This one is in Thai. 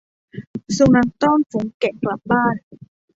สุนัขต้อนฝูงแกะกลับบ้าน